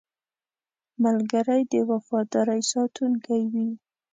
ملګری د وفادارۍ ساتونکی وي